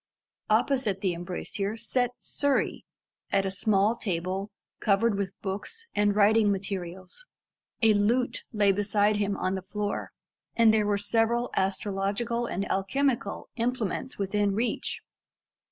Opposite the embrasure sat Surrey, at a small table covered with books and writing materials. A lute lay beside him on the floor, and there were several astrological and alchemical implements within reach.